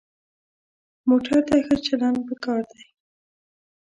موټر ته ښه چلند پکار دی.